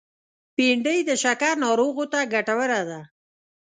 بېنډۍ د شکر ناروغو ته ګټوره ده